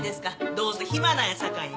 どうせ暇なんやさかいに。